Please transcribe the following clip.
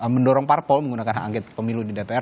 mendorong parpol menggunakan hak angket pemilu di dpr